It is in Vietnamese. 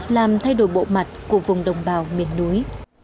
làm thay đổi bộ mặt của vùng đồng bào miền núi